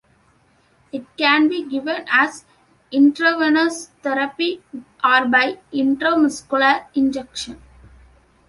It can be given as intravenous therapy or by intramuscular injection.